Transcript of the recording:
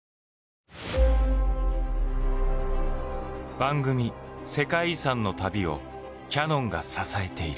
番組「世界遺産」の旅をキヤノンが支えている。